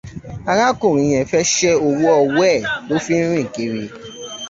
Arákùnrin yẹ́n fẹ́ ṣẹ́ owó ọwọ́ ẹ̀ ló fi ń rìn kiri.